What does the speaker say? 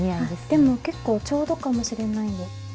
でも結構ちょうどかもしれない。